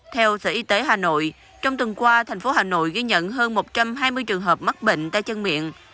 theo sở y tế hà nội trong tuần qua thành phố hà nội ghi nhận hơn một trăm hai mươi trường hợp mắc bệnh tay chân miệng